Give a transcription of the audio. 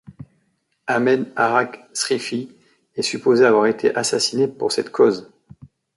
Ahmed harrak Srifi est supposé avoir été assassiné pour cette cause.